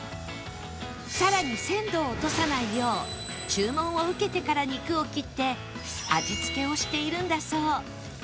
更に鮮度を落とさないよう注文を受けてから肉を切って味付けをしているんだそう